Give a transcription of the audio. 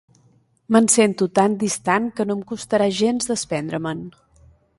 Me'n sento tan distant que no em costarà gens desprendre-me'n.